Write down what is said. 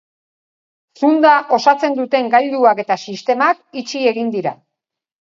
Zunda osatzen duten gailuak eta sistemak itxi egin dira.